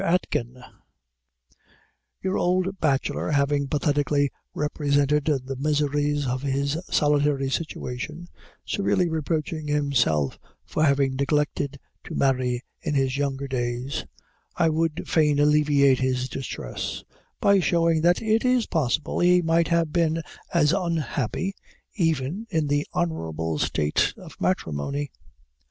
AITKEN: Your Old Bachelor having pathetically represented the miseries of his solitary situation, severely reproaching himself for having neglected to marry in his younger days, I would fain alleviate his distress, by showing that it is possible he might have been as unhappy even in the honorable state of matrimony.